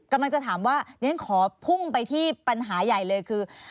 กำลังจะถามว่าเรียนขอพุ่งไปที่ปัญหาใหญ่เลยคือ